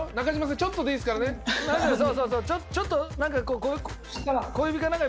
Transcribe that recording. ちょっとでいいんですよちょっとで。